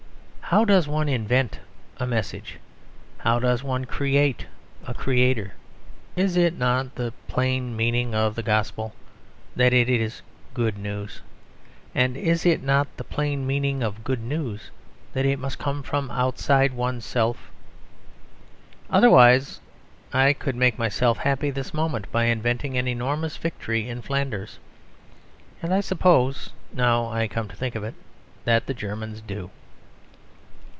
How does one invent a message? How does one create a Creator? Is it not the plain meaning of the Gospel that it is good news? And is it not the plain meaning of good news that it must come from outside oneself? Otherwise I could make myself happy this moment, by inventing an enormous victory in Flanders. And I suppose (now I come to think of it) that the Germans do.